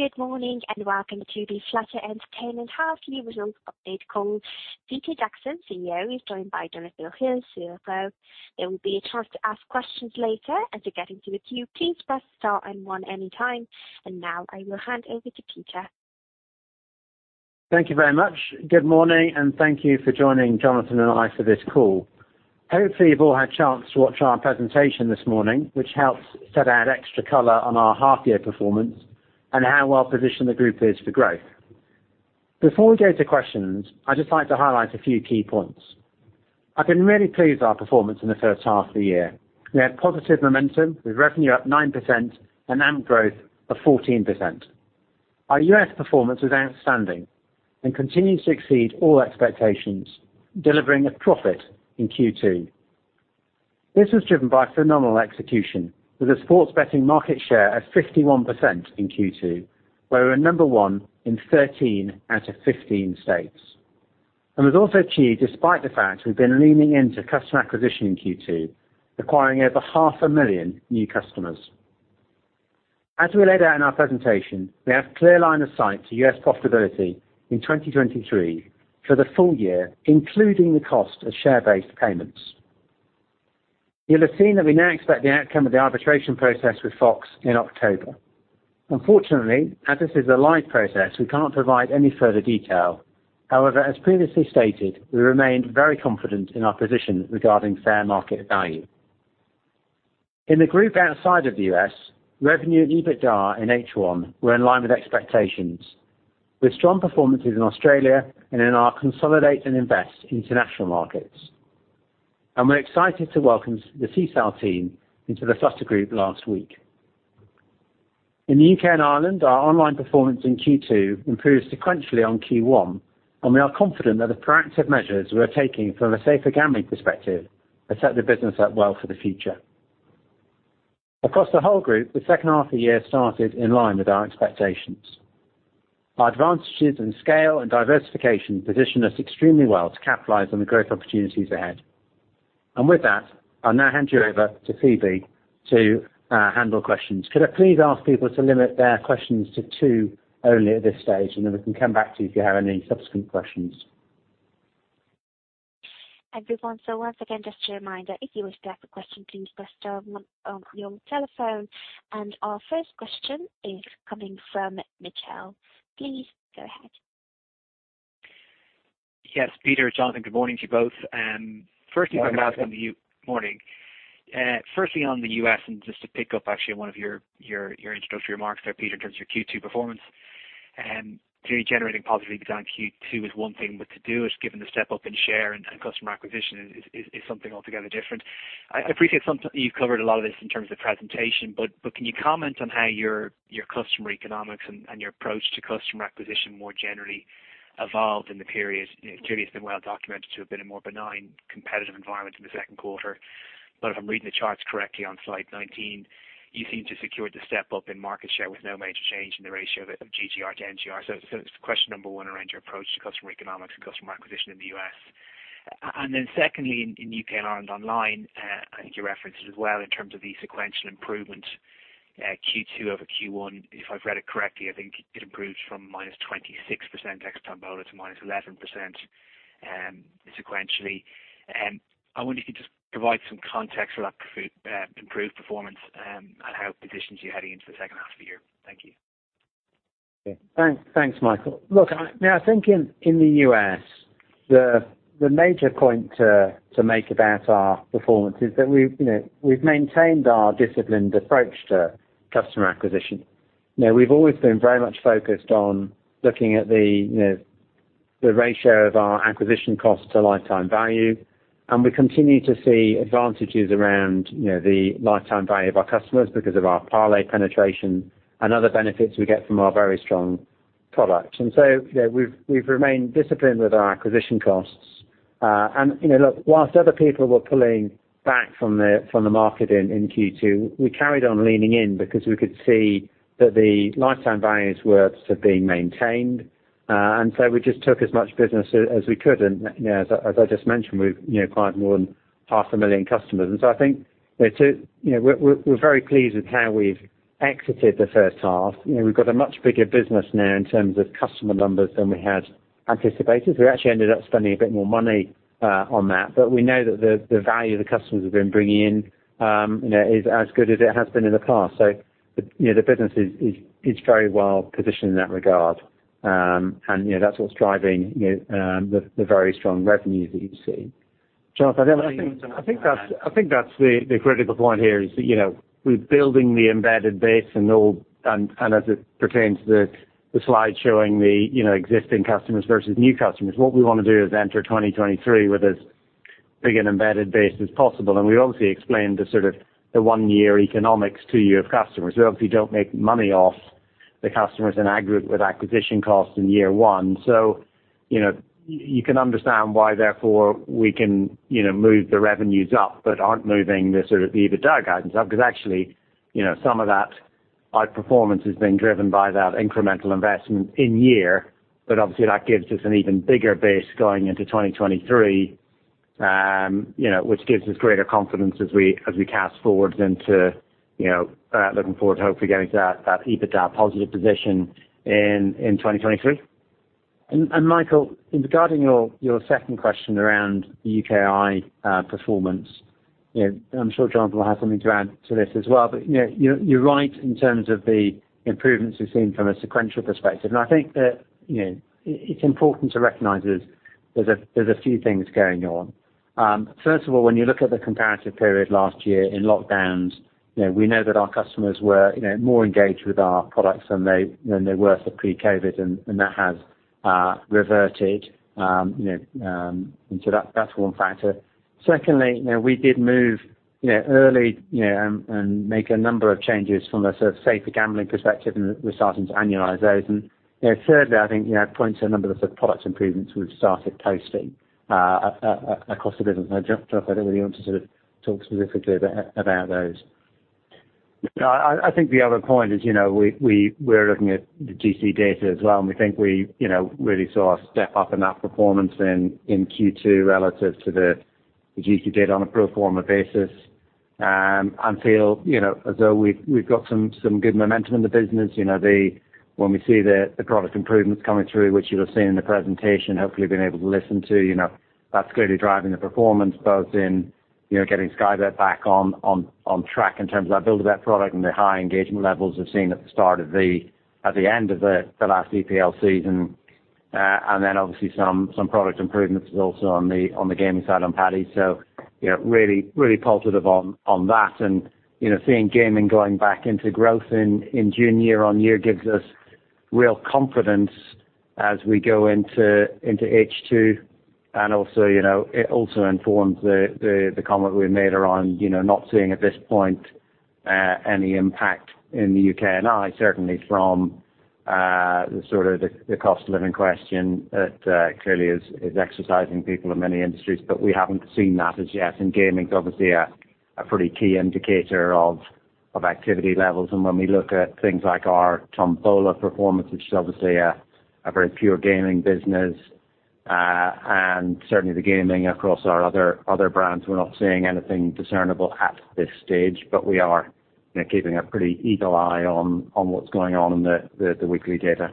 Good morning, and welcome to the Flutter Entertainment half-yearly results update call. Peter Jackson, CEO, is joined by Jonathan Hill, CFO. There will be a chance to ask questions later. As you get into the queue, please press star and one anytime. Now, I will hand over to Peter. Thank you very much. Good morning, and thank you for joining Jonathan and I for this call. Hopefully, you've all had a chance to watch our presentation this morning, which helps set out extra color on our half-year performance and how well-positioned the group is for growth. Before we go to questions, I'd just like to highlight a few key points. I've been really pleased with our performance in the first half of the year. We have positive momentum with revenue up 9% and ARM growth of 14%. Our U.S. performance is outstanding and continues to exceed all expectations, delivering a profit in Q2. This was driven by phenomenal execution with a sports betting market share of 51% in Q2, where we're number one in 13 out of 15 states. The result achieved despite the fact we've been leaning into customer acquisition in Q2, acquiring over 500,000 new customers. As we laid out in our presentation, we have clear line of sight to U.S. profitability in 2023 for the full year, including the cost of share-based payments. You'll have seen that we now expect the outcome of the arbitration process with Fox in October. Unfortunately, as this is a live process, we can't provide any further detail. However, as previously stated, we remain very confident in our position regarding fair market value. In the group outside of the U.S., revenue and EBITDA in H1 were in line with expectations, with strong performances in Australia and in our consolidate and invest international markets. We're excited to welcome the Sisal team into the Flutter group last week. In the U.K. and Ireland, our online performance in Q2 improved sequentially on Q1, and we are confident that the proactive measures we're taking from a safer gambling perspective have set the business up well for the future. Across the whole group, the second half of the year started in line with our expectations. Our advantages in scale and diversification position us extremely well to capitalize on the growth opportunities ahead. With that, I'll now hand you over to Phoebe to handle questions. Could I please ask people to limit their questions to two only at this stage, and then we can come back to you if you have any subsequent questions. Everyone, so once again, just a reminder, if you wish to ask a question, please press star one on your telephone. Our first question is coming from Michael Mitchell. Please go ahead. Yes, Peter, Jonathan, good morning to you both. Firstly. Morning. Morning. Firstly, on the U.S., and just to pick up actually one of your introductory remarks there, Peter, in terms of your Q2 performance, clearly generating positive EBITDA in Q2 is one thing, but to do it given the step up in share and customer acquisition is something altogether different. I appreciate sometimes you've covered a lot of this in terms of presentation, but can you comment on how your customer economics and your approach to customer acquisition more generally evolved in the period. You know, clearly it's been well documented to have been a more benign competitive environment in the second quarter. If I'm reading the charts correctly on slide 19, you seem to secure the step up in market share with no major change in the ratio of GGR to NGR. Question number one around your approach to customer economics and customer acquisition in the U.S. And then secondly, in U.K. and Ireland online, I think you referenced it as well in terms of the sequential improvement, Q2 over Q1. If I've read it correctly, I think it improved from -26% ex-Tombola to -11%, sequentially. I wonder if you could just provide some context for that improved performance, and how it positions you heading into the second half of the year. Thank you. Yeah. Thanks. Thanks, Michael. Look, now, I think in the U.S., the major point to make about our performance is that we've, you know, we've maintained our disciplined approach to customer acquisition. You know, we've always been very much focused on looking at the, you know, the ratio of our acquisition cost to lifetime value, and we continue to see advantages around, you know, the lifetime value of our customers because of our parlay penetration and other benefits we get from our very strong products. You know, we've remained disciplined with our acquisition costs. You know, look, while other people were pulling back from the market in Q2, we carried on leaning in because we could see that the lifetime values were sort of being maintained. We just took as much business as we could. You know, as I just mentioned, we've you know acquired more than half a million customers. I think there too, you know, we're very pleased with how we've exited the first half. You know, we've got a much bigger business now in terms of customer numbers than we had anticipated. We actually ended up spending a bit more money on that, but we know that the value the customers have been bringing in, you know, is as good as it has been in the past. You know, the business is very well positioned in that regard. You know, that's what's driving you know the very strong revenues that you see. Jonathan Hill, I don't know. I think that's the critical point here is that, you know, we're building the embedded base and all, and as it pertains to the slide showing the, you know, existing customers versus new customers, what we wanna do is enter 2023 with as big an embedded base as possible. We obviously explained the sort of one-year economics to you of customers. We obviously don't make money off the customers in aggregate with acquisition costs in year one. You know, you can understand why therefore we can, you know, move the revenues up but aren't moving the sort of the EBITDA guidance up. Because actually, you know, some of that outperformance has been driven by that incremental investment in year, but obviously that gives us an even bigger base going into 2023, you know, which gives us greater confidence as we look forward to hopefully getting to that EBITDA positive position in 2023. Michael, regarding your second question around UKI performance, you know, I'm sure Jon will have something to add to this as well. You know, you're right in terms of the improvements we've seen from a sequential perspective. I think that, you know, it's important to recognize there's a few things going on. First of all, when you look at the comparative period last year in lockdowns, you know, we know that our customers were, you know, more engaged with our products than they were for pre-COVID, and that has reverted, you know, and so that's one factor. Secondly, you know, we did move early, you know, and make a number of changes from a sort of safer gambling perspective, and we're starting to annualize those. Thirdly, I think, you know, it points to a number of sort of product improvements we've started posting across the business. Now, Jon, I don't know whether you want to sort of talk specifically about those. No, I think the other point is, you know, we're looking at the GC data as well, and we think we, you know, really saw a step up in that performance in Q2 relative to the GC data on a pro forma basis. You know, although we've got some good momentum in the business. You know, when we see the product improvements coming through, which you have seen in the presentation, hopefully you've been able to listen to, you know, that's clearly driving the performance, both in, you know, getting Sky Bet back on track in terms of our build of that product and the high engagement levels we've seen at the end of the last EPL season. Obviously some product improvements also on the gaming side on Paddy. You know, really positive on that. You know, seeing gaming going back into growth in June year on year gives us real confidence as we go into H2. You know, it also informs the comment we made around you know, not seeing at this point any impact in the UKI certainly from sort of the cost of living question that clearly is exercising people in many industries. We haven't seen that as yet. Gaming is obviously a pretty key indicator of activity levels. When we look at things like our Tombola performance, which is obviously a very pure gaming business, and certainly the gaming across our other brands, we're not seeing anything discernible at this stage. We are, you know, keeping a pretty eagle eye on what's going on in the weekly data.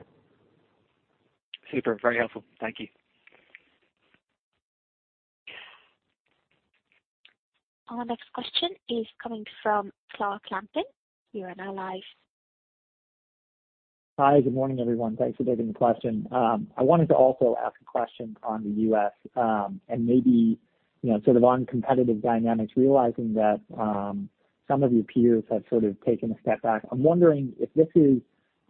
Super helpful. Thank you. Our next question is coming from Clark Lampen. You are now live. Hi, good morning, everyone. Thanks for taking the question. I wanted to also ask a question on the U.S., and maybe, you know, sort of on competitive dynamics, realizing that, some of your peers have sort of taken a step back. I'm wondering if this is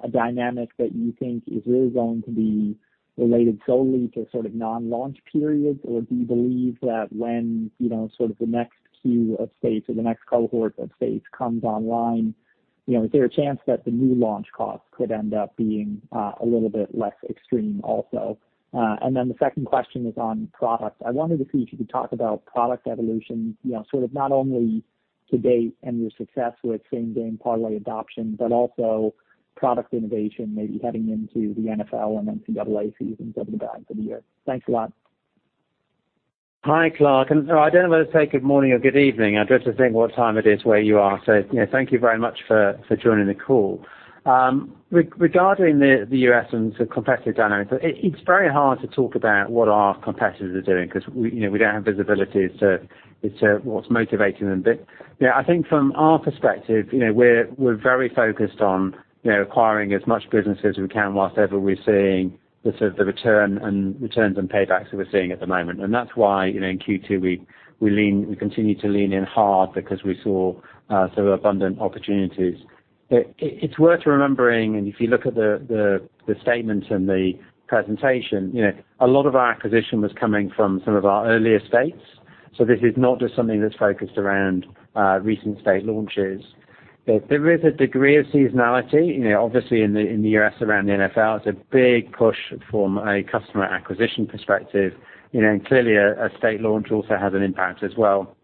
a dynamic that you think is really going to be related solely to sort of non-launch periods, or do you believe that when, you know, sort of the next queue of states or the next cohort of states comes online, you know, is there a chance that the new launch costs could end up being, a little bit less extreme also? And then the second question is on products. I wanted to see if you could talk about product evolution, you know, sort of not only to date and your success with same-game parlay adoption, but also product innovation maybe heading into the NFL and NCAA seasons at the back of the year? Thanks a lot. Hi, Clark, and I don't know whether to say good morning or good evening. I'm just trying to think what time it is where you are. You know, thank you very much for joining the call. Regarding the U.S. and the competitive dynamics, it's very hard to talk about what our competitors are doing because, you know, we don't have visibility as to what's motivating them. You know, I think from our perspective, you know, we're very focused on acquiring as much business as we can, whatever we're seeing the sort of returns and paybacks that we're seeing at the moment. That's why, you know, in Q2, we continue to lean in hard because we saw sort of abundant opportunities. It's worth remembering, and if you look at the statement and the presentation, you know, a lot of our acquisition was coming from some of our earlier states. This is not just something that's focused around recent state launches. There is a degree of seasonality. You know, obviously in the U.S. around the NFL, it's a big push from a customer acquisition perspective. You know, clearly a state launch also has an impact as well.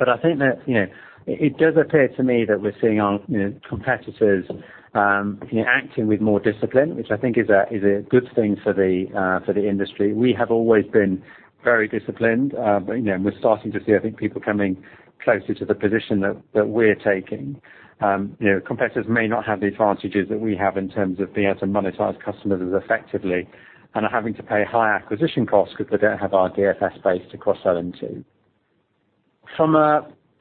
I think that, you know, it does appear to me that we're seeing our, you know, competitors, you know, acting with more discipline, which I think is a good thing for the industry. We have always been very disciplined, but, you know, we're starting to see, I think, people coming closer to the position that we're taking. You know, competitors may not have the advantages that we have in terms of being able to monetize customers as effectively and are having to pay high acquisition costs because they don't have our DFS base to cross-sell into.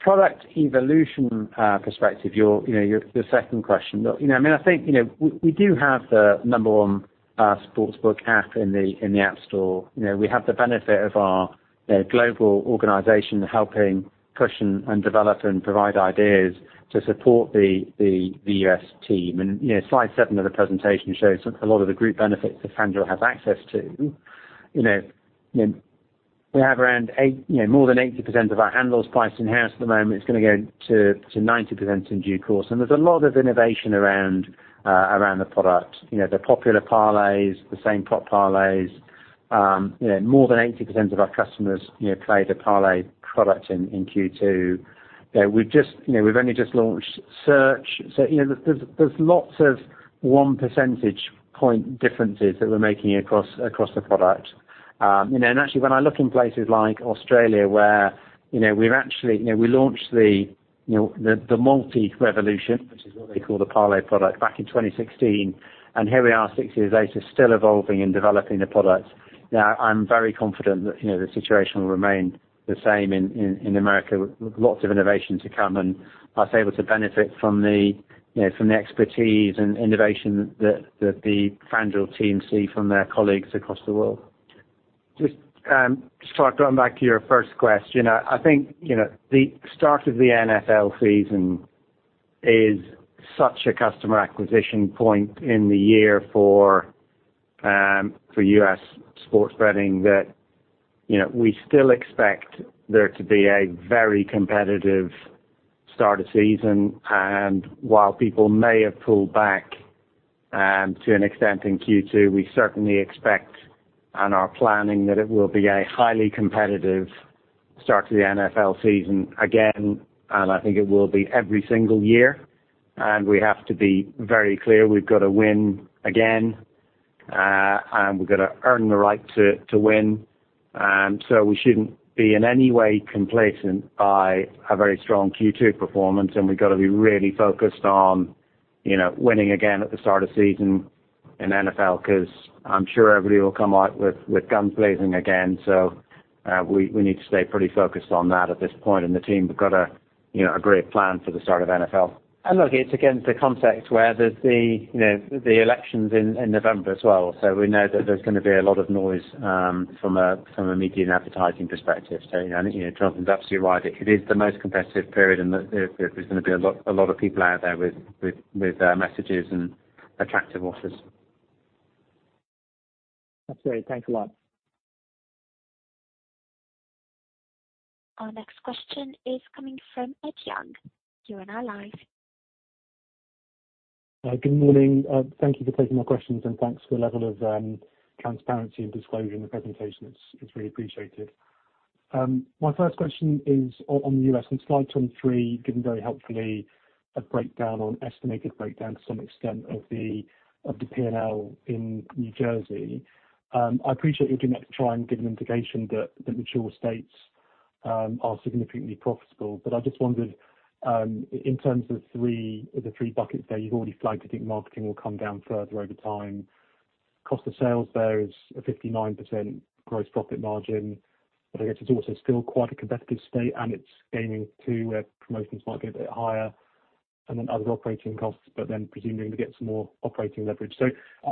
From a product evolution perspective, you know, your second question. Look, you know, I mean, I think, you know, we do have the number one sportsbook app in the App Store. You know, we have the benefit of our, you know, global organization helping push and develop and provide ideas to support the U.S. team. You know, slide seven of the presentation shows a lot of the group benefits that FanDuel has access to. You know, we have more than 80% of our handles priced in-house at the moment. It's gonna go to 90% in due course. There's a lot of innovation around the product. You know, the Popular Parlays, the Same Game Parlay. You know, more than 80% of our customers play the parlay product in Q2. You know, we've only just launched search. You know, there's lots of one percentage point differences that we're making across the product. You know, and actually when I look in places like Australia where you know, we actually launched the Multi Revolution, which is what they call the parlay product back in 2016, and here we are six years later, still evolving and developing the product. Now I'm very confident that you know, the situation will remain the same in America with lots of innovation to come and are able to benefit from the expertise and innovation that the FanDuel team see from their colleagues across the world. Just sort of going back to your first question. I think, you know, the start of the NFL season is such a customer acquisition point in the year for for U,S. Sports betting that, you know, we still expect there to be a very competitive start of season. While people may have pulled back to an extent in Q2, we certainly expect and are planning that it will be a highly competitive start to the NFL season again. I think it will be every single year, and we have to be very clear we've got to win again, and we've got to earn the right to win. We shouldn't be in any way complacent by a very strong Q2 performance. We've got to be really focused on, you know, winning again at the start of season in NFL, 'cause I'm sure everybody will come out with guns blazing again. We need to stay pretty focused on that at this point. The team have got a, you know, a great plan for the start of NFL. Look, it's again the context where there's elections in November as well. We know that there's gonna be a lot of noise from a media and advertising perspective. You know, I think, you know, Jonathan is absolutely right. It is the most competitive period, and there's gonna be a lot of people out there with messages and attractive offers. That's great. Thanks a lot. Our next question is coming from Ed Young, you are now live. Good morning. Thank you for taking my questions and thanks for the level of transparency and disclosure in the presentation. It's really appreciated. My first question is on the U.S. On slide 23, given very helpfully a breakdown to some extent of the P&L in New Jersey. I appreciate you're going to try and give an indication that the mature states are significantly profitable. I just wondered, in terms of the three buckets there, you've already flagged you think marketing will come down further over time. Cost of sales there is a 59% gross profit margin, but I guess it's also still quite a competitive state, and it's gaming too, where promotions might be a bit higher and then other operating costs, but then presumably we get some more operating leverage.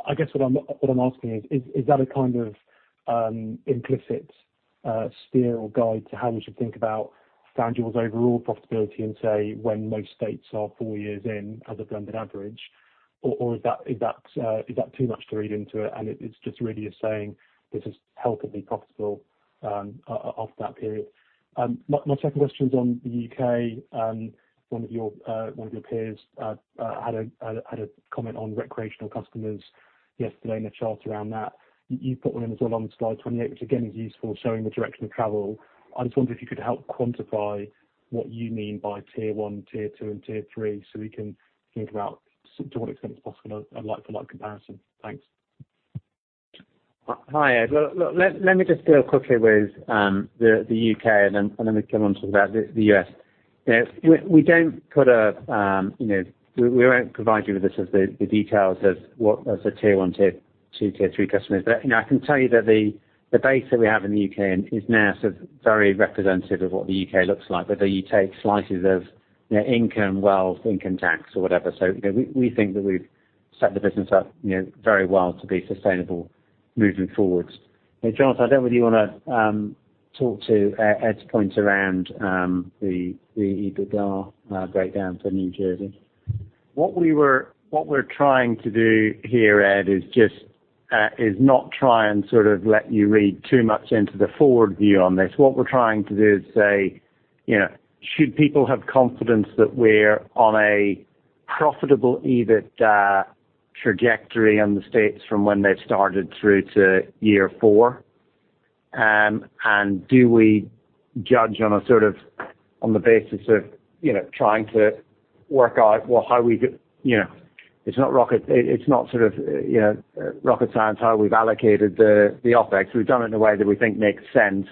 I guess what I'm asking is that a kind of implicit steer or guide to how we should think about FanDuel's overall profitability and say, when most states are four years in as a blended average? Or is that too much to read into it and it's just really saying this is healthily profitable after that period? My second question is on the U.K. One of your peers had a comment on recreational customers yesterday and a chart around that. You put one in as well on slide 28, which again is useful, showing the direction of travel. I just wonder if you could help quantify what you mean by tier one, tier two, and tier three so we can think about to what extent it's possible a like-for-like comparison? Thanks. Hi, Ed. Well, look, let me just deal quickly with the U.K. and then we can move on to the U.S. You know, we don't put out, you know, we won't provide you with the sort of details of what a tier one, tier two, tier three customers. You know, I can tell you that the base that we have in the U.K. is now sort of very representative of what the U.K. looks like, whether you take slices of, you know, income, wealth, income tax or whatever. You know, we think that we've set the business up, you know, very well to be sustainable moving forward. Jonathan, I don't know whether you wanna talk to Ed's point around the EBITDA breakdown for New Jersey. What we're trying to do here, Ed, is just not try and sort of let you read too much into the forward view on this. What we're trying to do is say, you know, should people have confidence that we're on a profitable EBITDA trajectory in the States from when they've started through to year four? Do we judge on the basis of, you know, trying to work out, well, you know, it's not sort of, you know, rocket science, how we've allocated the OPEX. We've done it in a way that we think makes sense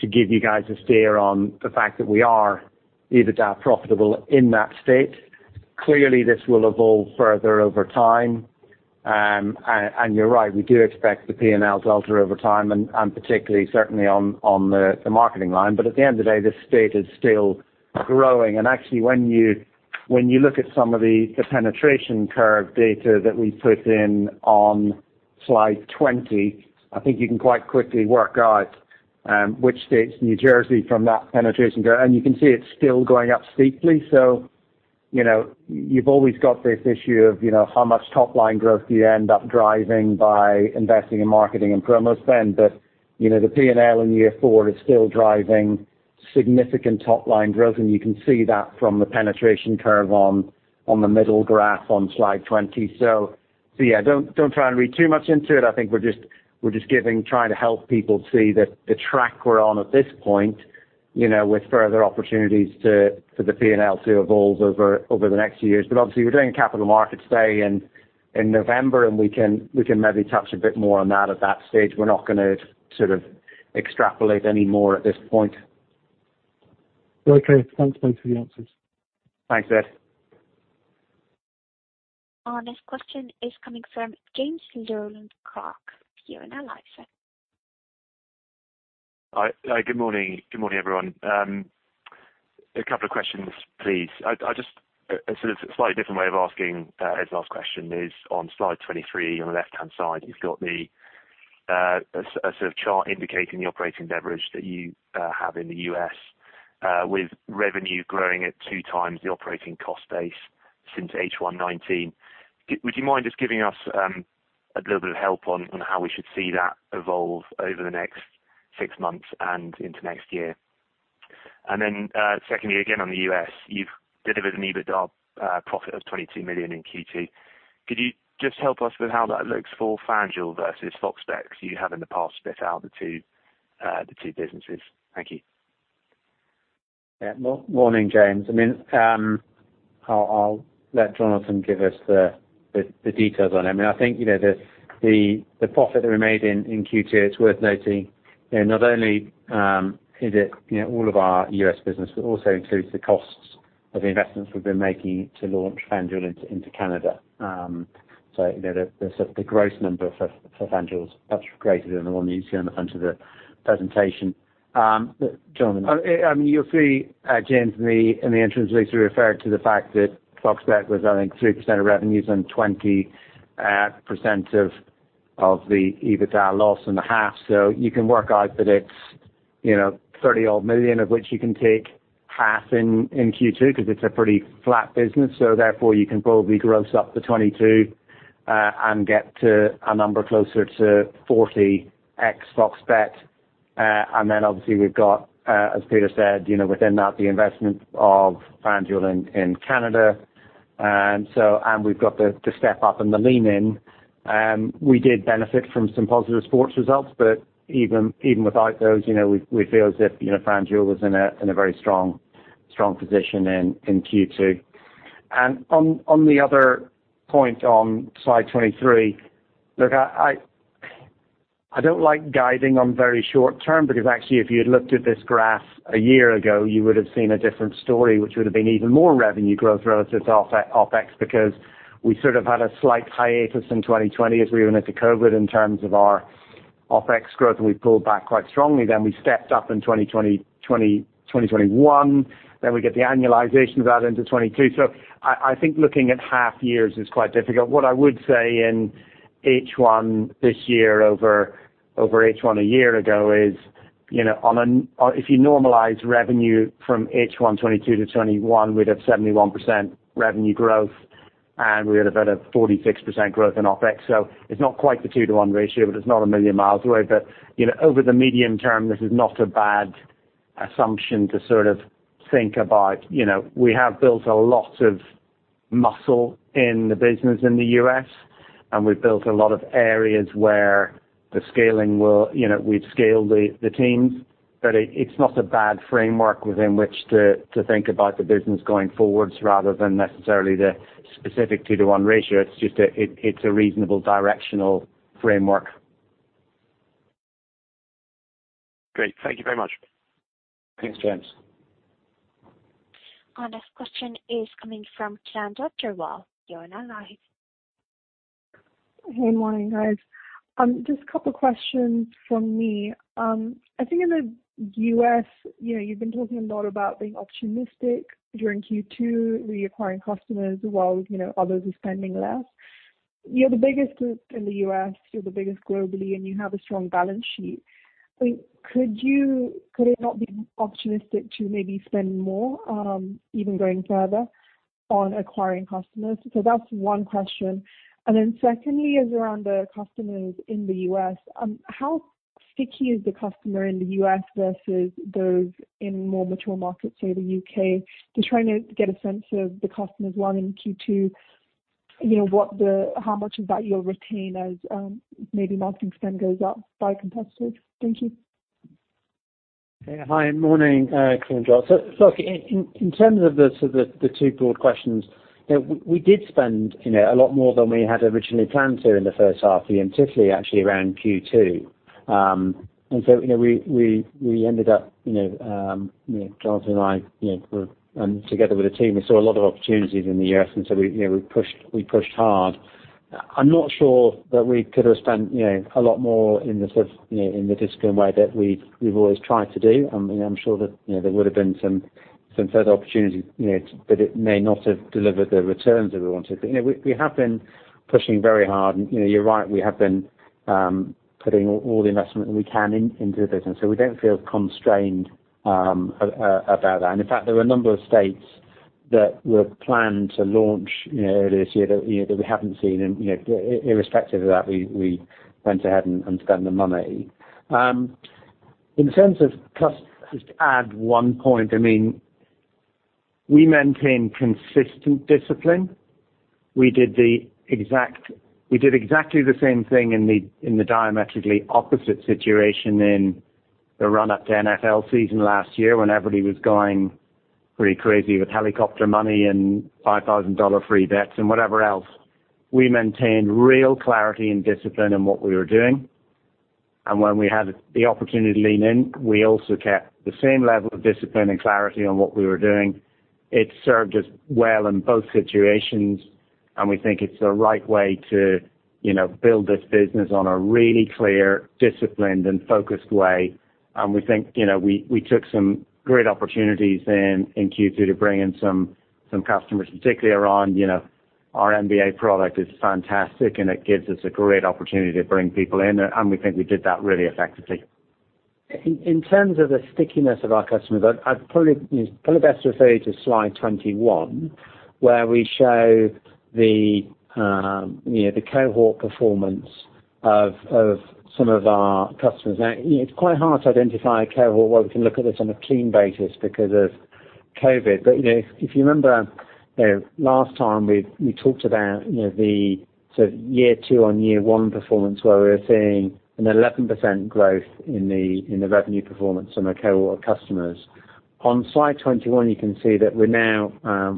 to give you guys a steer on the fact that we are EBITDA profitable in that state. Clearly, this will evolve further over time. You're right, we do expect the P&L to alter over time and particularly certainly on the marketing line. At the end of the day, this state is still growing. Actually, when you look at some of the penetration curve data that we put in on slide 20, I think you can quite quickly work out which states New Jersey from that penetration curve. You can see it's still going up steeply. You know, you've always got this issue of how much top line growth do you end up driving by investing in marketing and promo spend. You know, the P&L in year four is still driving significant top line growth, and you can see that from the penetration curve on the middle graph on slide 20. Yeah, don't try and read too much into it. I think we're just trying to help people see the track we're on at this point. You know, with further opportunities to the P&L to evolve over the next few years. Obviously, we're doing Capital Markets Day in November, and we can maybe touch a bit more on that at that stage. We're not gonna sort of extrapolate any more at this point. Okay. Thanks, mate, for the answers. Thanks, Ed. Our next question is coming from James Rowland Clark here on the line, sir. Hi, good morning. Good morning, everyone. A couple of questions, please. A sort of slightly different way of asking Ed's last question is on slide 23 on the left-hand side. You've got a sort of chart indicating the operating leverage that you have in the U.S. with revenue growing at 2x the operating cost base since H1 2019. Would you mind just giving us a little bit of help on how we should see that evolve over the next six months and into next year? Secondly again, on the U.S., you've delivered an EBITDA profit of $22 million in Q2. Could you just help us with how that looks for FanDuel versus Fox Bet, 'cause you have in the past split out the two businesses? Thank you. Well, morning, James. I mean, I'll let Jonathan give us the details on it. I mean, I think, you know, the profit that we made in Q2, it's worth noting that not only is it, you know, all of our U.S. business, but also includes the costs of the investments we've been making to launch FanDuel into Canada. So, you know, the sort of gross number for FanDuel is perhaps greater than the one you see on the front of the presentation. Jonathan. I mean, you'll see, James, in the interim weeks, we referred to the fact that Fox Bet was, I think, 3% of revenues and 20% of the EBITDA loss in the half. You can work out that it's, you know, $30-odd million, of which you can take half in Q2 because it's a pretty flat business. Therefore, you can probably gross up to 22 and get to a number closer to 40 ex Fox Bet. Then obviously we've got, as Peter said, you know, within that the investment of FanDuel in Canada. We've got the step up and the lean in. We did benefit from some positive sports results, but even without those, you know, we feel as if, you know, FanDuel was in a very strong position in Q2. On the other point on slide 23, look, I don't like guiding on very short-term because actually if you'd looked at this graph a year ago, you would've seen a different story, which would've been even more revenue growth relative to OPEX, because we sort of had a slight hiatus in 2020 as we went into Covid in terms of our OPEX growth, and we pulled back quite strongly. Then we stepped up in 2020, 2021. Then we get the annualization of that into 2022. I think looking at half years is quite difficult. What I would say in H1 this year over H1 a year ago is, you know, if you normalize revenue from H1 2022 to 2021, we'd have 71% revenue growth, and we had about a 46% growth in OPEX. It's not quite the 2 - 1 ratio, but it's not a million miles away. You know, over the medium term, this is not a bad assumption to sort of think about. You know, we have built a lot of muscle in the business in the U.S., and we've built a lot of areas where the scaling will. You know, we've scaled the teams, but it's not a bad framework within which to think about the business going forward rather than necessarily the specific 2 - 1 ratio. It's just it's a reasonable directional framework. Great. Thank you very much. Thanks, James. Our next question is coming from Kiranjot Grewal. You're on live. Hey, morning, guys. Just a couple questions from me. I think in the U.S., you know, you've been talking a lot about being optimistic during Q2, reacquiring customers while, you know, others are spending less. You're the biggest group in the U.S., you're the biggest globally, and you have a strong balance sheet. Could it not be optimistic to maybe spend more, even going further on acquiring customers? That's one question. Then secondly is around the customers in the U.S. How sticky is the customer in the U.S. versus those in more mature markets, say the U.K.? Just trying to get a sense of the customers won in Q2. You know, how much of that you'll retain as maybe marketing spend goes up by competitors. Thank you. Yeah. Hi, morning, Kiranjot Grewal. Look, in terms of the sort of the two broad questions, you know, we did spend, you know, a lot more than we had originally planned to in the first half of the year, particularly actually around Q2. You know, we ended up, you know, Jonathan Hill and I, you know, and together with the team, we saw a lot of opportunities in the U.S., and so we, you know, we pushed hard. I'm not sure that we could have spent, you know, a lot more in the sort of, you know, in the disciplined way that we've always tried to do. I mean, I'm sure that, you know, there would have been some further opportunities, you know, but it may not have delivered the returns that we wanted. You know, we have been pushing very hard and, you know, you're right, we have been putting all the investment that we can into the business, so we don't feel constrained about that. In fact, there were a number of states that were planned to launch, you know, earlier this year that we haven't seen and, you know, irrespective of that, we went ahead and spent the money. Just to add one point, I mean, we maintain consistent discipline. We did exactly the same thing in the diametrically opposite situation in the run-up to NFL season last year when everybody was going pretty crazy with helicopter money and $5,000 free bets and whatever else. We maintained real clarity and discipline in what we were doing. When we had the opportunity to lean in, we also kept the same level of discipline and clarity on what we were doing. It served us well in both situations, and we think it's the right way to, you know, build this business on a really clear, disciplined, and focused way. We think, you know, we took some great opportunities in Q2 to bring in some customers, particularly around, you know, our NBA product is fantastic, and it gives us a great opportunity to bring people in, and we think we did that really effectively. In terms of the stickiness of our customers, I'd probably, you know, probably best refer you to slide 21, where we show the, you know, the cohort performance of some of our customers. Now, you know, it's quite hard to identify a cohort where we can look at this on a clean basis because of COVID. You know, if you remember, you know, last time we talked about, you know, the sort of year two on year one performance where we were seeing an 11% growth in the revenue performance on our cohort of customers. On slide 21, you can see that we're now,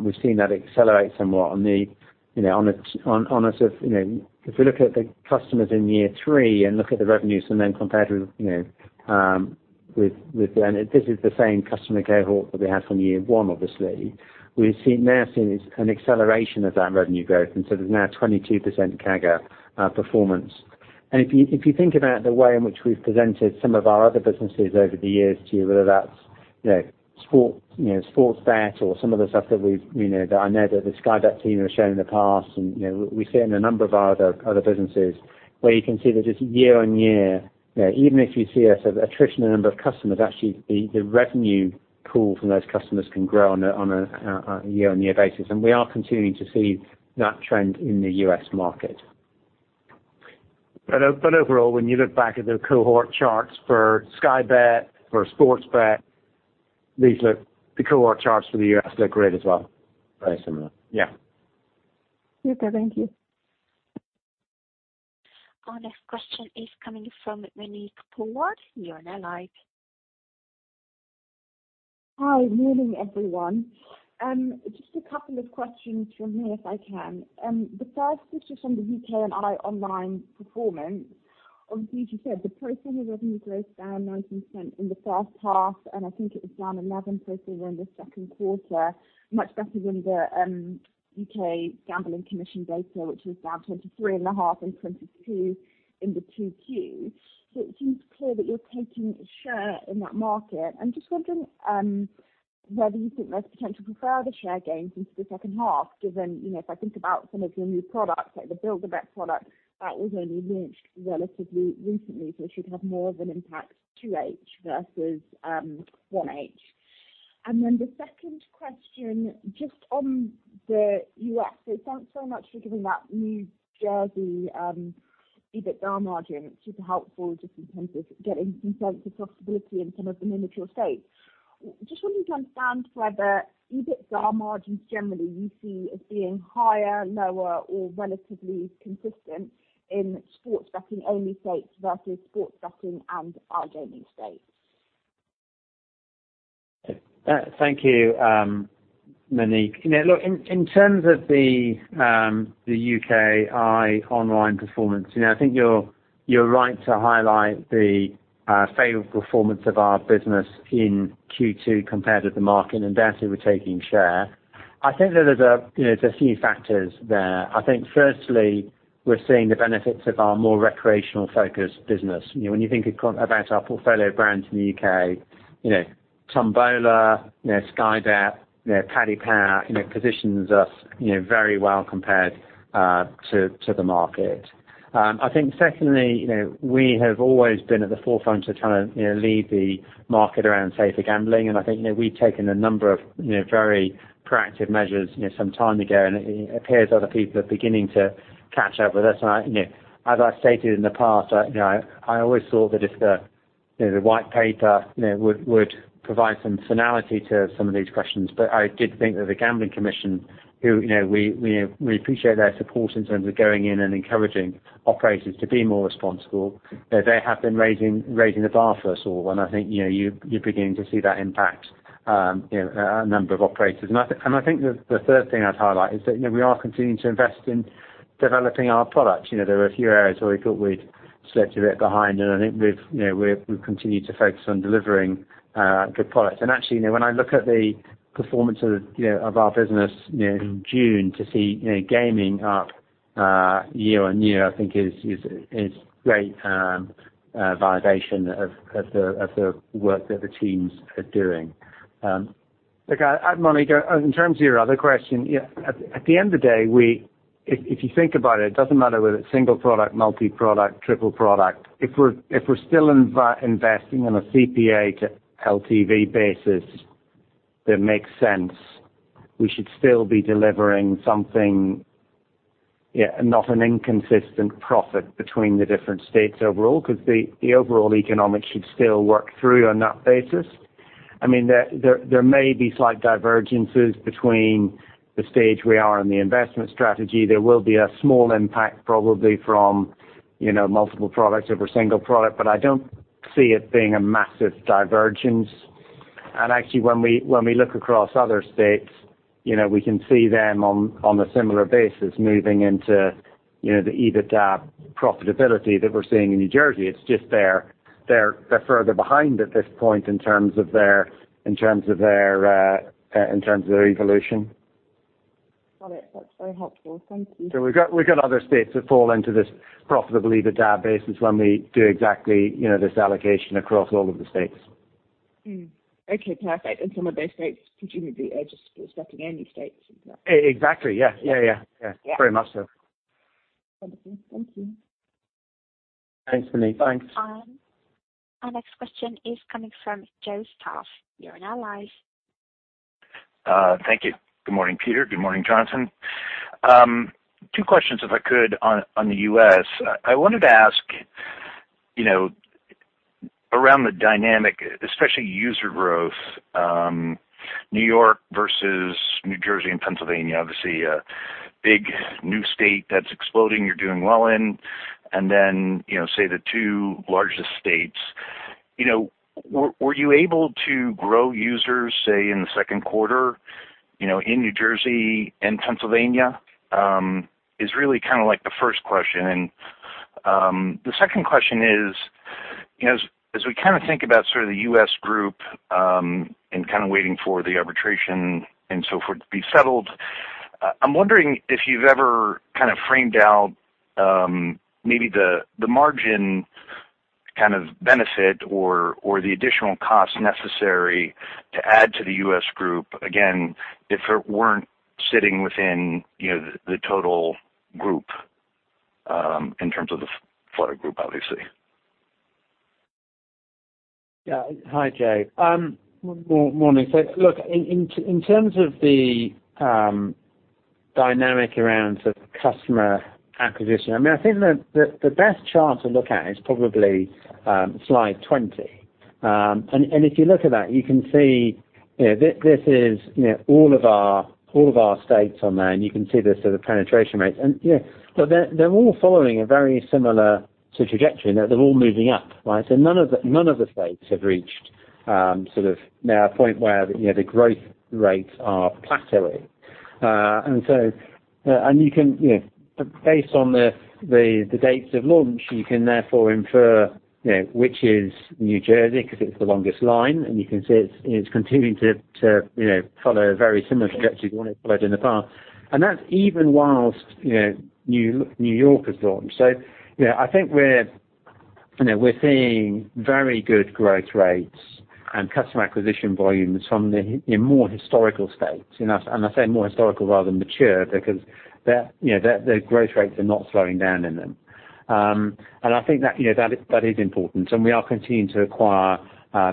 we've seen that accelerate somewhat on the, you know, on a sort of, you know. If we look at the customers in year three and look at the revenues and then compare to, you know, with then this is the same customer cohort that we had from year one, obviously. We're now seeing an acceleration of that revenue growth, and so there's now 22% CAGR performance. If you think about the way in which we've presented some of our other businesses over the years to you, whether that's, you know, Sportsbet or some of the stuff that we've, you know, that I know that the Sky Bet team have shown in the past and, you know, we see it in a number of our other businesses where you can see that it's year-on-year. You know, even if you see us have attrition in the number of customers, actually the revenue pool from those customers can grow on a year-on-year basis, and we are continuing to see that trend in the U.S. market. Overall, when you look back at the cohort charts for Sky Bet, for Sportsbet, these look great as well. The cohort charts for the U.S. look great as well. Very similar. Yeah. Okay, thank you. Our next question is coming from Monique Pollard, you are now live. Hi, morning, everyone. Just a couple of questions from me, if I can. The first is just on the UKI online performance. Obviously, as you said, the pro forma revenue growth down 19% in the first half, and I think it was down 11% pro forma in the second quarter, much better than the U.K. Gambling Commission data, which was down 23.5% and 22% in the 2Qs. It seems clear that you're taking a share in that market. I'm just wondering whether you think there's potential for further share gains into the second half, given, you know, if I think about some of your new products, like the Build-A-Bet product, that was only launched relatively recently, so it should have more of an impact to 2H versus 1H. The second question, just on the U.S. Thanks so much for giving that New Jersey EBITDA margin. It's super helpful just in terms of getting some sense of profitability in some of the mature states. Just wondering to understand whether EBITDA margins generally you see as being higher, lower or relatively consistent in sports betting only states versus sports betting and iGaming states? Thank you, Monique. You know, look, in terms of the UKI online performance, you know, I think you're right to highlight the favorable performance of our business in Q2 compared with the market, and certainly we're taking share. I think that there's a few factors there. I think firstly, we're seeing the benefits of our more recreational-focused business. You know, when you think about our portfolio of brands in the U.K., you know, Tombola, you know, Sky Bet, you know, Paddy Power, you know, positions us very well compared to the market. I think secondly, you know, we have always been at the forefront of trying to, you know, lead the market around safer gambling, and I think, you know, we've taken a number of, you know, very proactive measures, you know, some time ago, and it appears other people are beginning to catch up with us. I, you know, as I stated in the past, I, you know, I always thought that if the, you know, the White Paper, you know, would provide some finality to some of these questions. I did think that the Gambling Commission, who, you know, we appreciate their support in terms of going in and encouraging operators to be more responsible, you know, they have been raising the bar for us all. I think, you know, you're beginning to see that impact, you know, a number of operators. I think the third thing I'd highlight is that, you know, we are continuing to invest in developing our products. You know, there are a few areas where we thought we'd slipped a bit behind, and I think we've, you know, we've continued to focus on delivering good products. Actually, you know, when I look at the performance of our business, you know, in June to see gaming up year on year, I think is great validation of the work that the teams are doing. Look, Monique, in terms of your other question, yeah, at the end of the day, if you think about it doesn't matter whether it's single product, multi-product, triple product. If we're still investing on a CPA to LTV basis that makes sense, we should still be delivering something. Yeah, not an inconsistent profit between the different states overall, because the overall economics should still work through on that basis. I mean, there may be slight divergences between the stage we are in the investment strategy. There will be a small impact probably from, you know, multiple products over single product, but I don't see it being a massive divergence. Actually, when we look across other states, you know, we can see them on a similar basis moving into, you know, the EBITDA profitability that we're seeing in New Jersey. It's just they're further behind at this point in terms of their evolution. Got it. That's very helpful. Thank you. We've got other states that fall into this profitable EBITDA basis when we do exactly, you know, this allocation across all of the states. Okay, perfect. Some of those states presumably are just stepping any states into- Exactly, yes. Yeah, yeah. Yeah. Very much so. Wonderful. Thank you. Thanks, Monique. Thanks. Our next question is coming from Joseph Stauff, you are now live. Thank you. Good morning, Peter. Good morning, Jonathan. Two questions, if I could, on the U.S. I wanted to ask, you know, around the dynamic, especially user growth, New York versus New Jersey and Pennsylvania, obviously a big new state that's exploding, you're doing well in, and then, you know, say the two largest states. You know, were you able to grow users, say, in the second quarter, you know, in New Jersey and Pennsylvania? Is really kind of like the first question. The second question is, as we kind of think about sort of the U.S. group, and kind of waiting for the arbitration and so forth to be settled, I'm wondering if you've ever kind of framed out, maybe the margin kind of benefit or the additional cost necessary to add to the U.S. group, again, if it weren't sitting within, you know, the total group, in terms of the Flutter group, obviously. Hi, Joe. Morning. Look, in terms of the dynamic around sort of customer acquisition, I mean, I think the best chart to look at is probably slide 20. If you look at that, you can see, you know, this is, you know, all of our states on there, and you can see the sort of penetration rates. You know, they're all following a very similar sort of trajectory. They're all moving up, right? None of the states have reached sort of now a point where, you know, the growth rates are plateauing. You can, you know, based on the dates of launch, you can therefore infer, you know, which is New Jersey because it's the longest line, and you can see it's continuing to, you know, follow a very similar trajectory to the one it followed in the past. That's even while, you know, New York has launched. You know, I think we're seeing very good growth rates and customer acquisition volumes in more historical states. I say more historical rather than mature because their growth rates are not slowing down in them. I think that is important, and we are continuing to acquire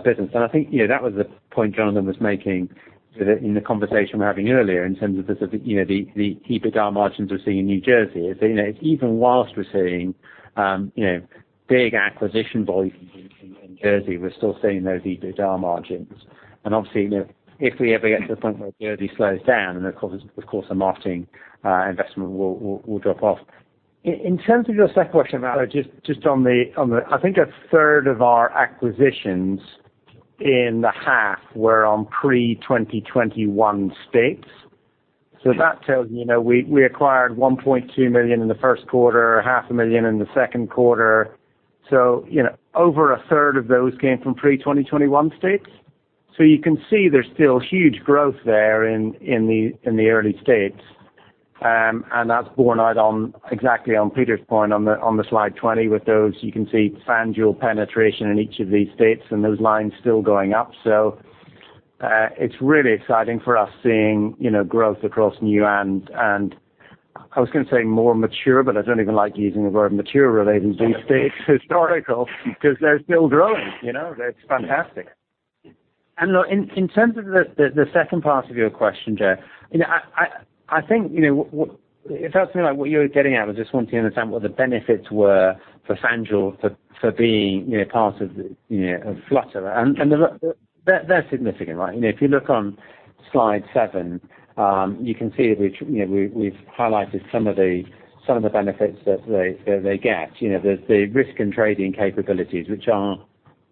business. I think, you know, that was the point Jonathan was making with it in the conversation we were having earlier in terms of the sort of, you know, the EBITDA margins we're seeing in New Jersey. You know, even while we're seeing, you know, big acquisition volumes in Jersey, we're still seeing those EBITDA margins. Obviously, you know, if we ever get to the point where Jersey slows down, then of course the marketing investment will drop off. In terms of your second question, though, just on the. I think a third of our acquisitions in the half were on pre-2021 states. That tells me, you know, we acquired $1.2 million in the first quarter, $0.5 million in the second quarter. You know, over a third of those came from pre-2021 states. You can see there's still huge growth there in the early states. That's borne out exactly on Peter's point on the slide 20 with those. You can see FanDuel penetration in each of these states and those lines still going up. It's really exciting for us seeing, you know, growth across new and I was gonna say more mature, but I don't even like using the word mature relating to these states, historically because they're still growing. You know? It's fantastic. Look, in terms of the second part of your question, Joe, you know, I think, you know, what it sounds to me like what you're getting at is just wanting to understand what the benefits were for FanDuel for being, you know, part of, you know, of Flutter. The they're significant, right? You know, if you look on slide seven, you can see we've, you know, we've highlighted some of the benefits that they get, you know, the risk and trading capabilities, which are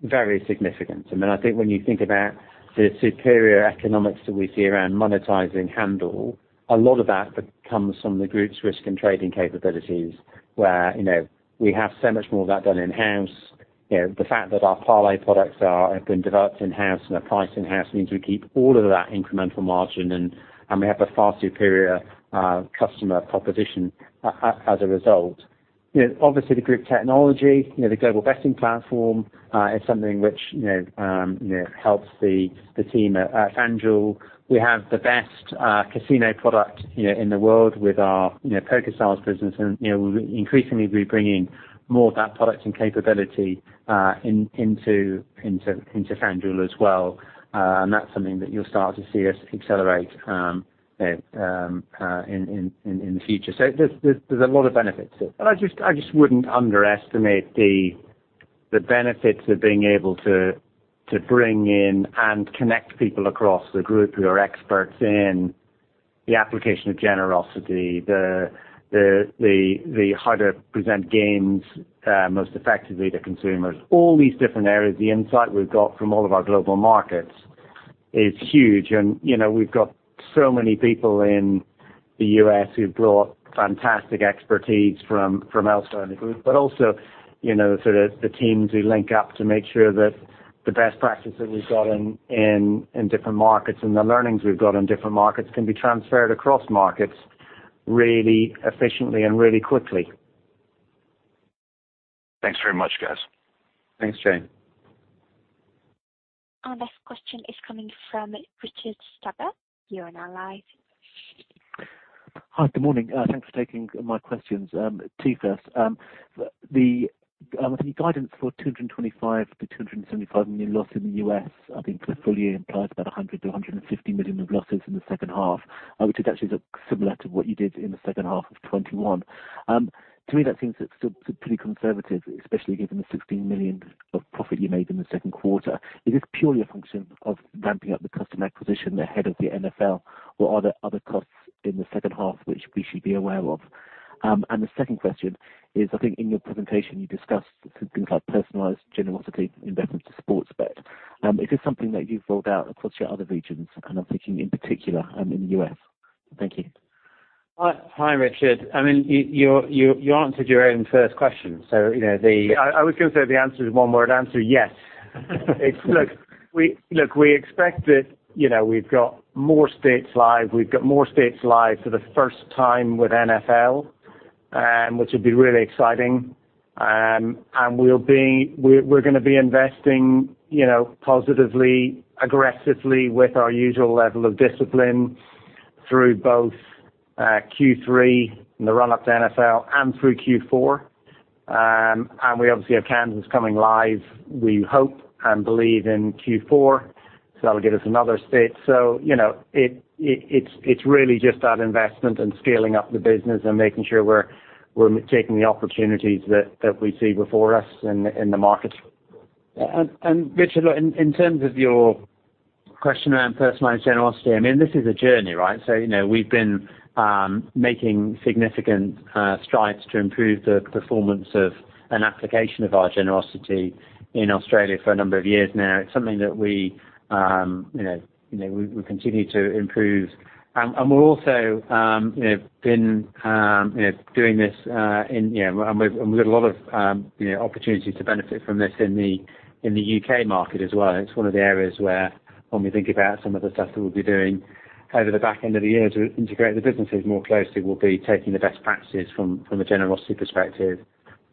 very significant. I mean, I think when you think about the superior economics that we see around monetizing handle, a lot of that comes from the group's risk and trading capabilities, where, you know, we have so much more of that done in-house. You know, the fact that our parlay products are, have been developed in-house and are priced in-house means we keep all of that incremental margin and we have a far superior customer proposition as a result. You know, obviously the group technology, you know, the Global Betting Platform is something which you know helps the team at FanDuel. We have the best casino product, you know, in the world with our, you know, PokerStars business and, you know, we'll increasingly be bringing more of that product and capability into FanDuel as well. That's something that you'll start to see us accelerate in the future. There's a lot of benefits. I just wouldn't underestimate the. The benefits of being able to bring in and connect people across the group who are experts in the application of generosity, the how to present gains most effectively to consumers, all these different areas, the insight we've got from all of our global markets is huge. You know, we've got so many people in the U.S. who've brought fantastic expertise from elsewhere in the group, but also, you know, sort of the teams who link up to make sure that the best practices we've got in different markets and the learnings we've got in different markets can be transferred across markets really efficiently and really quickly. Thanks very much, guys. Thanks, Joe. Our next question is coming from Richard Stuber. You're now live. Hi. Good morning. Thanks for taking my questions. Two first. The guidance for $225 million-$275 million loss in the U.S., I think the full year implies about $100 million-$150 million of losses in the second half, which would actually look similar to what you did in the second half of 2021. To me, that seems pretty conservative, especially given the $16 million of profit you made in the second quarter. Is this purely a function of ramping up the customer acquisition ahead of the NFL, or are there other costs in the second half which we should be aware of? The second question is, I think in your presentation you discussed some things like personalized generosity in reference to sports bet. Is this something that you've rolled out across your other regions? I'm thinking in particular in the U.S. Thank you. Hi, Richard. I mean, you answered your own first question. You know, I was gonna say the answer is one word answer, yes. Look, we expect that, you know, we've got more states live for the first time with NFL, which would be really exciting. We're gonna be investing, you know, positively, aggressively with our usual level of discipline through both Q3 and the run up to NFL and through Q4. We obviously have Kansas coming live, we hope and believe in Q4, so that'll give us another state. You know, it's really just that investment and scaling up the business and making sure we're taking the opportunities that we see before us in the market. Richard, look, in terms of your question around personalized generosity, I mean, this is a journey, right? You know, we've been making significant strides to improve the performance of an application of our generosity in Australia for a number of years now. It's something that we, you know, continue to improve. We're also, you know, been doing this. We've got a lot of, you know, opportunities to benefit from this in the U.K. market as well. It's one of the areas where when we think about some of the stuff that we'll be doing over the back end of the year to integrate the businesses more closely, we'll be taking the best practices from a generosity perspective.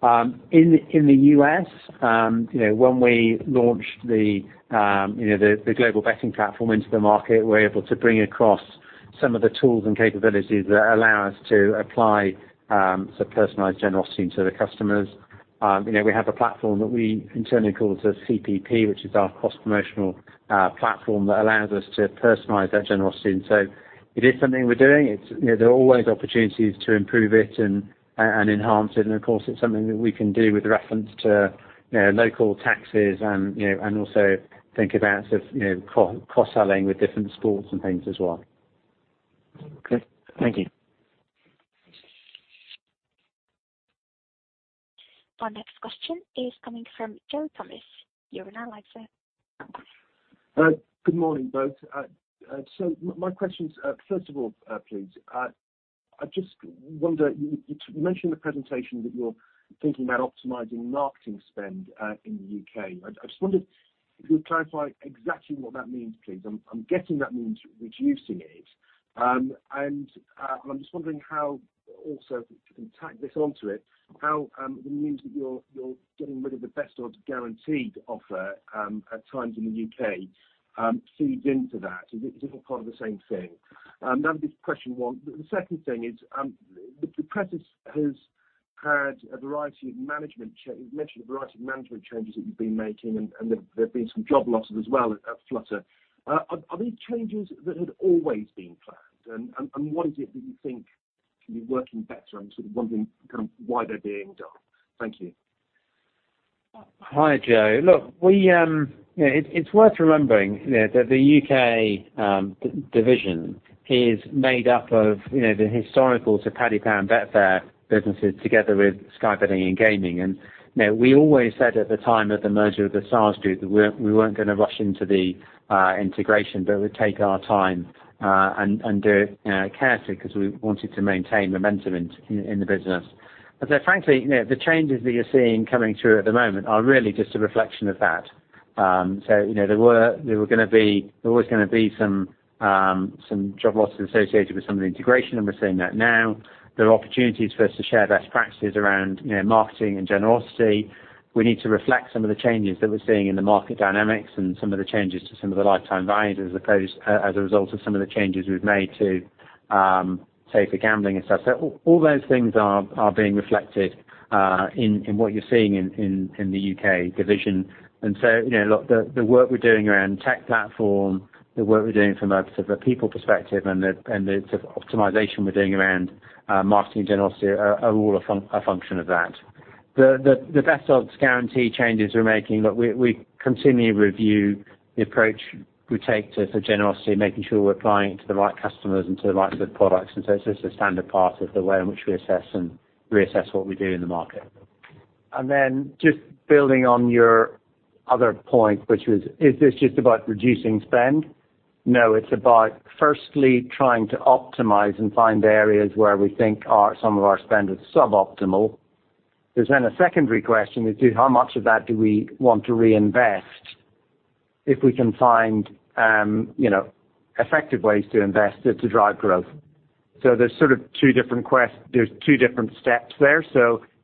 In the U.S., you know, when we launched the Global Betting Platform into the market, we're able to bring across some of the tools and capabilities that allow us to apply sort of personalized generosity to the customers. You know, we have a platform that we internally call the CPP, which is our cross-promotional platform that allows us to personalize that generosity. It is something we're doing. It's, you know, there are always opportunities to improve it and enhance it. Of course, it's something that we can do with reference to, you know, local taxes, you know, and also think about sort of, you know, cross selling with different sports and things as well. Okay, thank you. Our next question is coming from Joe Thomas. You're now live, sir. Good morning, both. My questions. First of all, please, I just wonder, you mentioned in the presentation that you're thinking about optimizing marketing spend in the U.K.. I just wondered if you'd clarify exactly what that means, please. I'm getting that means reducing it, and I'm just wondering how also to tack this onto it, how it means that you're getting rid of the Best Odds Guaranteed offer at times in the U.K. feeds into that. Is it part of the same thing? That was question one. The second thing is, the press has had a variety of management changes that you've been making and there have been some job losses as well at Flutter. Are these changes that had always been planned? What is it that you think can be working better? I'm sort of wondering kind of why they're being done. Thank you. Hi, Joe. Look, you know, it's worth remembering, you know, that the U.K. division is made up of, you know, the historical two Paddy Power Betfair businesses together with Sky Betting & Gaming. You know, we always said at the time of the merger of the Stars Group that we weren't gonna rush into the integration, but we'd take our time and do it, you know, carefully because we wanted to maintain momentum in the business. Frankly, you know, the changes that you're seeing coming through at the moment are really just a reflection of that. So, you know, there was gonna be some job losses associated with some of the integration, and we're seeing that now. There are opportunities for us to share best practices around, you know, marketing and generosity. We need to reflect some of the changes that we're seeing in the market dynamics and some of the changes to some of the lifetime values as a result of some of the changes we've made to safer gambling and stuff. All those things are being reflected in the U.K. division. You know, look, the work we're doing around tech platform, the work we're doing from a sort of a people perspective and the sort of optimization we're doing around marketing generosity are all a function of that. The Best Odds Guaranteed changes we're making, look, we continually review the approach we take to generosity, making sure we're applying it to the right customers and to the right sort of products. Just building on your other point, which was, is this just about reducing spend? No, it's about firstly trying to optimize and find areas where we think some of our spend is suboptimal. There's then a secondary question, is just how much of that do we want to reinvest if we can find, you know, effective ways to invest it to drive growth. There's sort of two different steps there.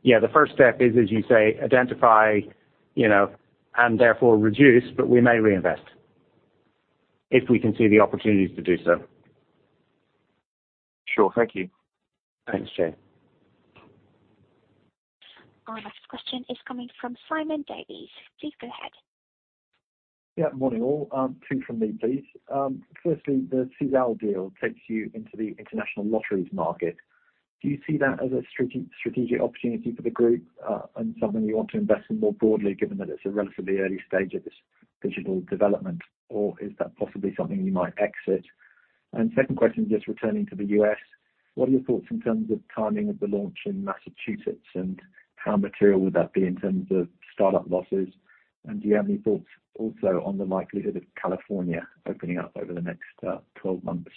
Yeah, the first step is, as you say, identify, you know, and therefore reduce, but we may reinvest if we can see the opportunities to do so. Sure. Thank you. Thanks, Joe. Our next question is coming from Simon Davies. Please go ahead. Yeah. Morning, all. Two from me, please. Firstly, the Sisal deal takes you into the international lotteries market. Do you see that as a strategic opportunity for the group, and something you want to invest in more broadly, given that it's a relatively early stage of this digital development, or is that possibly something you might exit? Second question, just returning to the U.S. What are your thoughts in terms of timing of the launch in Massachusetts and how material would that be in terms of startup losses? Do you have any thoughts also on the likelihood of California opening up over the next 12 months?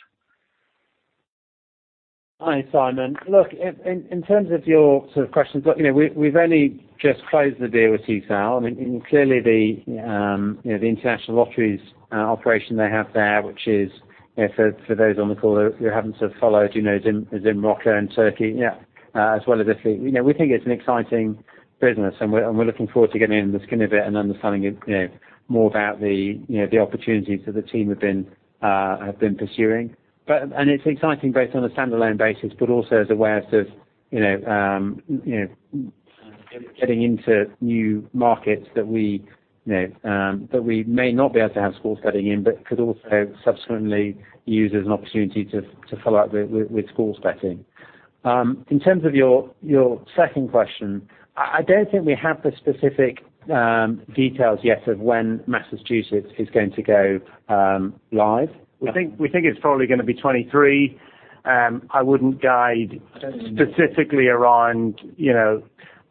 Hi, Simon. Look, in terms of your sort of questions, look, you know, we've only just closed the deal with Sisal. I mean, clearly, you know, the international lotteries operation they have there, which is, you know, for those on the call who haven't sort of followed, you know, Zim-Zimroca in Turkey, yeah, as well as Italy. You know, we think it's an exciting business and we're looking forward to getting under the skin of it and understanding it, you know, more about the, you know, the opportunities that the team have been pursuing. It's exciting both on a standalone basis, but also as a way of sort of, you know, getting into new markets that we may not be able to have sports betting in, but could also subsequently use as an opportunity to follow up with sports betting. In terms of your second question, I don't think we have the specific details yet of when Massachusetts is going to go live. We think it's probably gonna be 2023. I wouldn't guide specifically around, you know,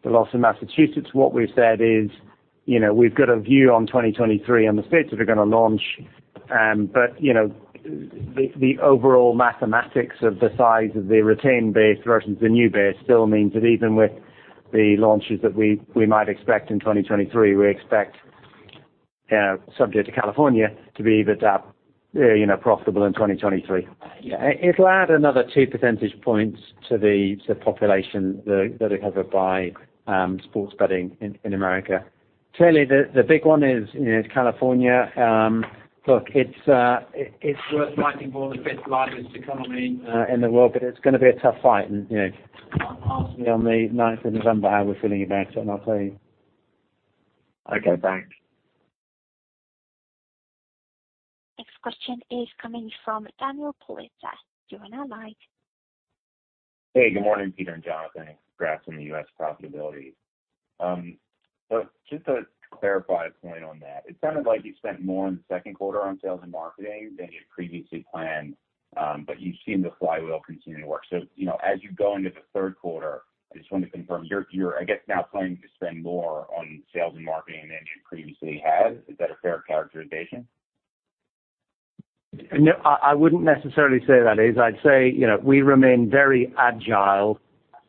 the launch in Massachusetts. What we've said is, you know, we've got a view on 2023 and the states that are gonna launch, but, you know, the overall mathematics of the size of the retained base versus the new base still means that even with the launches that we might expect in 2023, we expect, subject to California to be either, you know, profitable in 2023. Yeah. It'll add another 2 percentage points to the population that are covered by sports betting in America. Clearly, the big one is California. Look, it's worth $90 billion, fifth largest economy in the world, but it's gonna be a tough fight. You know, ask me on the ninth of November how we're feeling about it, and I'll tell you. Okay, thanks. Next question is coming from Daniel Politzer, Wells Fargo. Hey, good morning, Peter and Jonathan. Congrats on the U.S. profitability. Just to clarify a point on that, it sounded like you spent more in the second quarter on sales and marketing than you previously planned, but you've seen the flywheel continue to work. You know, as you go into the third quarter, I just wanted to confirm, you're, I guess, now planning to spend more on sales and marketing than you previously had. Is that a fair characterization? No, I wouldn't necessarily say that is. I'd say, you know, we remain very agile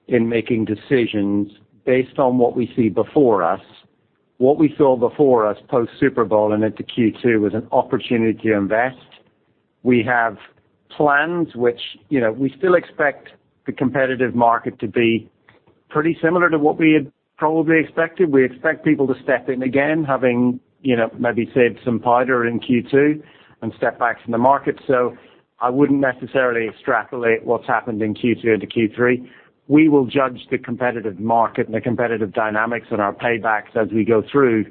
in making decisions based on what we see before us. What we saw before us post-Super Bowl and into Q2 was an opportunity to invest. We have plans which, you know, we still expect the competitive market to be pretty similar to what we had probably expected. We expect people to step in again, having, you know, maybe saved some powder in Q2 and step back from the market. I wouldn't necessarily extrapolate what's happened in Q2 into Q3. We will judge the competitive market and the competitive dynamics and our paybacks as we go through,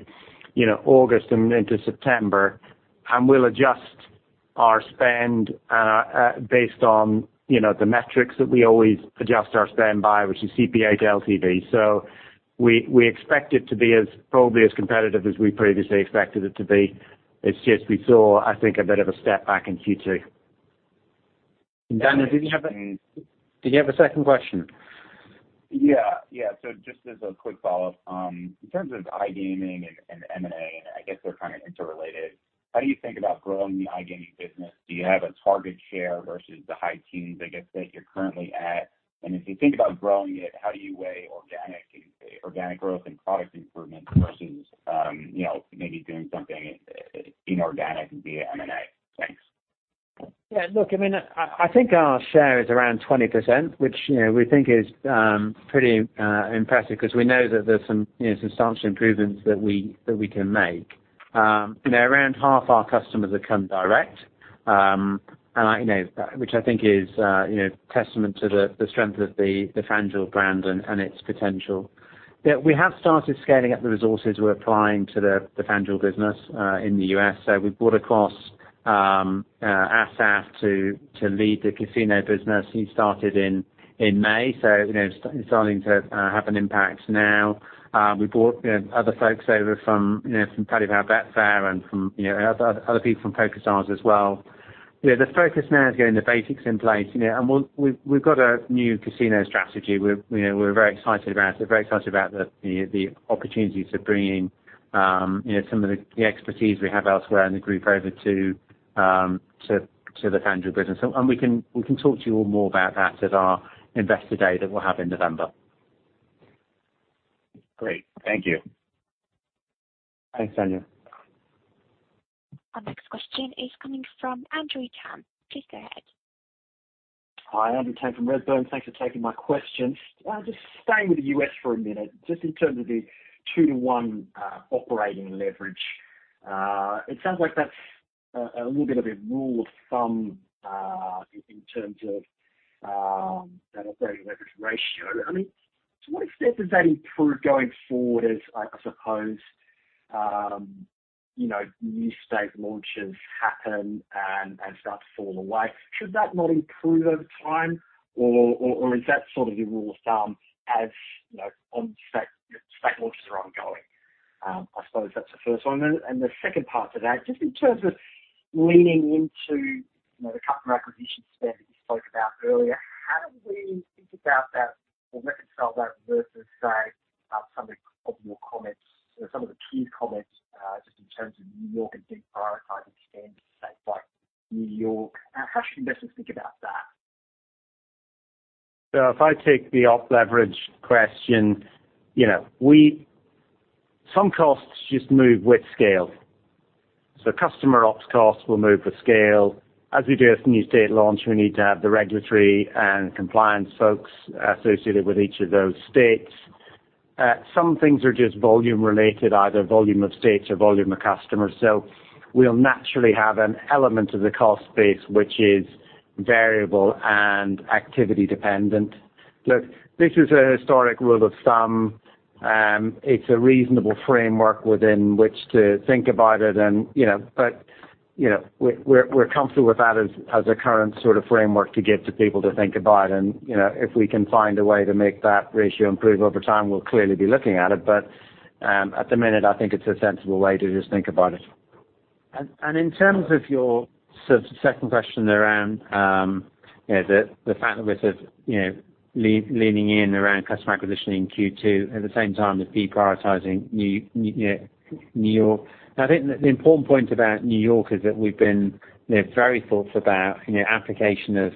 you know, August and into September, and we'll adjust our spend based on, you know, the metrics that we always adjust our spend by, which is CPA to LTV. We expect it to be probably as competitive as we previously expected it to be. It's just we saw, I think, a bit of a step back in Q2. Daniel, did you have a Mm-hmm. Did you have a second question? Yeah. Just as a quick follow-up, in terms of iGaming and M&A, and I guess they're kind of interrelated, how do you think about growing the iGaming business? Do you have a target share versus the high teens, I guess, that you're currently at? If you think about growing it, how do you weigh organic growth and product improvements versus, you know, maybe doing something inorganic via M&A? Thanks. Yeah. Look, I mean, I think our share is around 20%, which, you know, we think is pretty impressive because we know that there's some, you know, some substantial improvements that we can make. You know, around half our customers have come direct, and, you know, which I think is, you know, testament to the strength of the FanDuel brand and its potential. Yeah, we have started scaling up the resources we're applying to the FanDuel business in the US. We've brought across Asaf to lead the casino business. He started in May, so, you know, it's starting to have an impact now. We brought other folks over from, you know, from Paddy Power Betfair and from, you know, other people from PokerStars as well. You know, the focus now is getting the basics in place, you know, and we've got a new casino strategy. We're very excited about it. We're very excited about the opportunity to bring in, you know, some of the expertise we have elsewhere in the group over to the FanDuel business. We can talk to you all more about that at our investor day that we'll have in November. Great. Thank you. Thanks, Daniel. Our next question is coming from Andrew Tam. Please go ahead. Hi, Andrew Tam from Redburn. Thanks for taking my question. Just staying with the U.S. for a minute, just in terms of the 2 - 1 operating leverage, it sounds like that's a little bit of a rule of thumb in terms of that operating leverage ratio. I mean, to what extent does that improve going forward as I suppose you know new state launches happen and start to fall away? Should that not improve over time or is that sort of the rule of thumb, as you know, ongoing state launches? I suppose that's the first one. The second part of that, just in terms of leaning into, you know, the customer acquisition spend that you spoke about earlier, how do we think about that or reconcile that versus, say, some of your key comments, just in terms of New York and deprioritizing spend states like New York? How should investors think about that? If I take the op leverage question, you know, some costs just move with scale. Customer ops costs will move with scale. As we do with new state launch, we need to have the regulatory and compliance folks associated with each of those states. Some things are just volume related, either volume of states or volume of customers. We'll naturally have an element of the cost base, which is variable and activity dependent. Look, this is a historic rule of thumb, it's a reasonable framework within which to think about it and, you know, but, you know, we're comfortable with that as a current sort of framework to give to people to think about. You know, if we can find a way to make that ratio improve over time, we'll clearly be looking at it. At the minute, I think it's a sensible way to just think about it. In terms of your sort of second question around, you know, the fact that we're sort of, you know, leaning in around customer acquisition in Q2 at the same time as deprioritizing New York. I think the important point about New York is that we've been, you know, very thoughtful about, you know, application of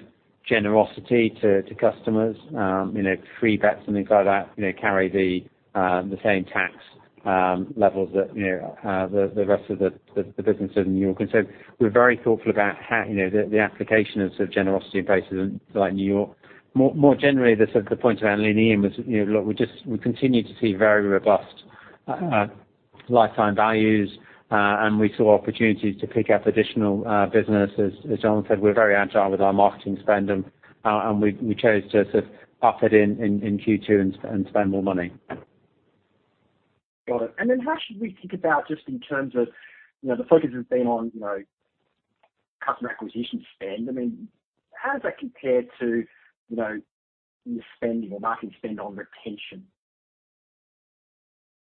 generosity to customers, you know, free bets and things like that, you know, carry the same tax levels that, you know, the rest of the business in New York. We're very thoughtful about how, you know, the application of sort of generosity in places like New York. More generally, the sort of point of our leaning in was, you know, look, we just continue to see very robust lifetime values, and we saw opportunities to pick up additional business. As Jonathan said, we're very agile with our marketing spend and we chose to sort of up it in Q2 and spend more money. Got it. How should we think about just in terms of, you know, the focus has been on, you know, customer acquisition spend. I mean, how does that compare to, you know, your spending or marketing spend on retention?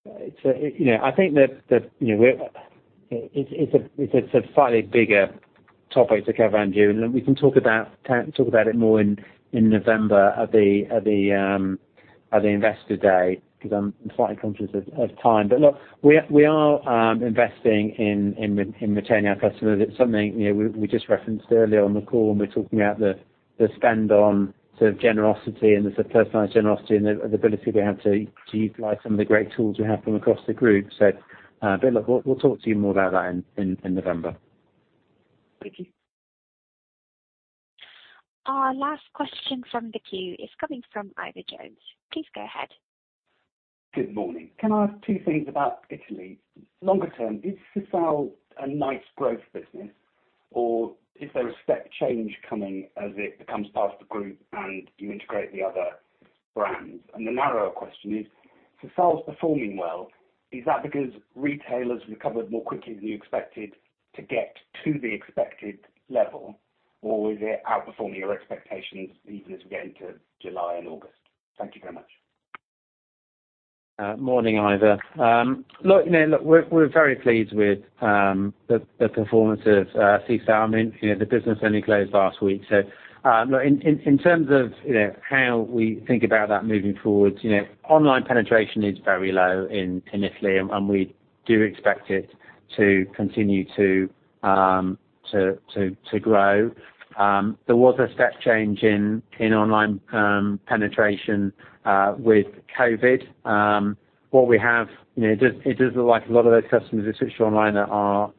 It's a slightly bigger topic to cover, Andrew, and we can talk about it more in November at the Investor Day, 'cause I'm slightly conscious of time. Look, we are investing in retaining our customers. It's something you know we just referenced earlier on the call when we're talking about the spend on sort of generosity and the sort of personalized generosity and the ability we have to utilize some of the great tools we have from across the group. Look, we'll talk to you more about that in November. Thank you. Our last question from the queue is coming from Ivor Jones. Please go ahead. Good morning. Can I ask two things about Italy? Longer term, is Sisal a nice growth business or is there a step change coming as it becomes part of the group and you integrate the other brands? The narrower question is, Sisal's performing well, is that because retailers recovered more quickly than you expected to get to the expected level? Or is it outperforming your expectations even as we get into July and August? Thank you very much. Morning, Ivor. We're very pleased with the performance of Sisal. I mean, you know, the business only closed last week. In terms of how we think about that moving forward, you know, online penetration is very low in Italy, and we do expect it to continue to grow. There was a step change in online penetration with COVID. What we have, you know, it does look like a lot of those customers who switched online are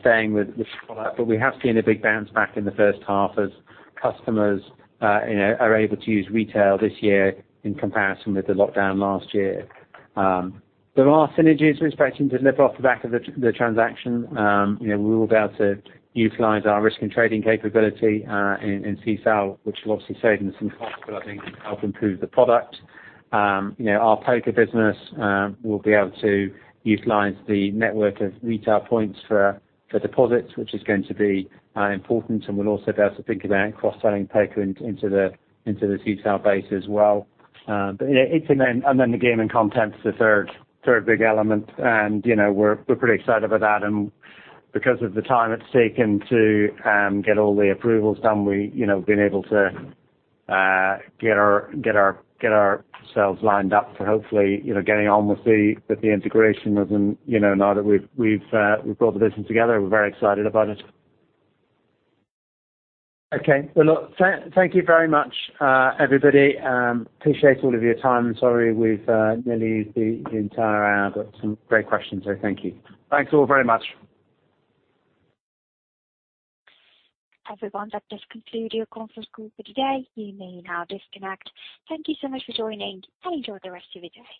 staying with Sisal. We have seen a big bounce back in the first half as customers, you know, are able to use retail this year in comparison with the lockdown last year. There are synergies we're expecting to deliver off the back of the transaction. You know, we will be able to utilize our risk and trading capability in Sisal, which will obviously save them some costs, but I think help improve the product. You know, our poker business will be able to utilize the network of retail points for deposits, which is going to be important, and we'll also be able to think about cross-selling poker into the Sisal base as well. The gaming content is the third big element and, you know, we're pretty excited about that. Because of the time it's taken to get all the approvals done, we, you know, have been able to get ourselves lined up for hopefully, you know, getting on with the integration as and, you know, now that we've brought the business together, we're very excited about it. Okay. Well, look, thank you very much, everybody. Appreciate all of your time. Sorry we've nearly used the entire hour, but some great questions, thank you. Thanks all very much. Everyone, that does conclude your conference call for today. You may now disconnect. Thank you so much for joining, and enjoy the rest of your day.